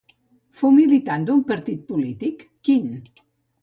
Fou militant d'un partit polític, quin?